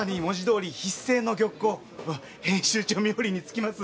編集長冥利に尽きます。